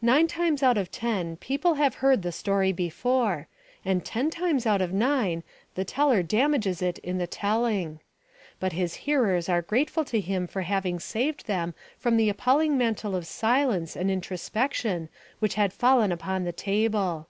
Nine times out of ten the people have heard the story before; and ten times out of nine the teller damages it in the telling. But his hearers are grateful to him for having saved them from the appalling mantle of silence and introspection which had fallen upon the table.